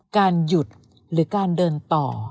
การหยุดหรือการเดินต่อ